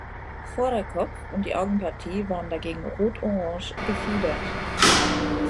Vorderkopf und die Augenpartie waren dagegen rotorange gefiedert.